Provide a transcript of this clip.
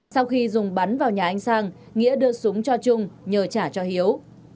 sau khi dùng bắn vào nhà anh sang nghĩa đưa súng cho trung nhờ trả cho hiếu